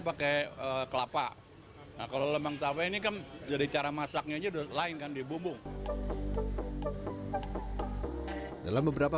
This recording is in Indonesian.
pakai kelapa kalau lemang sampai ini kan jadi cara masaknya juga lain kan di bumbung dalam beberapa